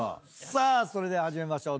それでは始めましょう。